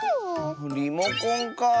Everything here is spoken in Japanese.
リモコンかあ。